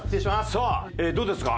さあどうですか？